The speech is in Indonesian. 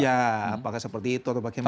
apakah seperti itu atau bagaimana